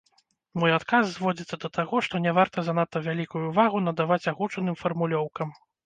Мой адказ зводзіцца да таго, што не варта занадта вялікую ўвагу надаваць агучаным фармулёўкам.